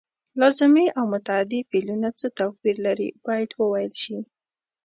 لازمي او متعدي فعلونه څه توپیر لري باید وویل شي.